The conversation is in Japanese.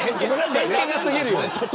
偏見が過ぎるよ。